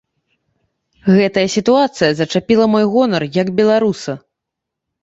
Гэтая сітуацыя зачапіла мой гонар, як беларуса.